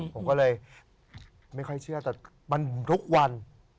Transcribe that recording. ผมก็เลยไม่ค่อยเชื่อแต่มันทุกวัน